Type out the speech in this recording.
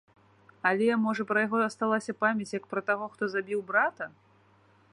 Але, можа, пра яго асталася памяць, як пра таго, хто забіў брата?